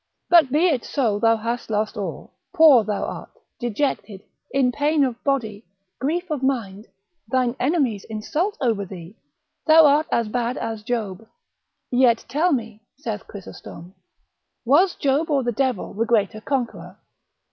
But be it so thou hast lost all, poor thou art, dejected, in pain of body, grief of mind, thine enemies insult over thee, thou art as bad as Job; yet tell me (saith Chrysostom) was Job or the devil the greater conqueror?